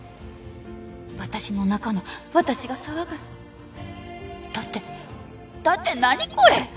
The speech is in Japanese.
私の中の私が騒ぐだってだって何これ！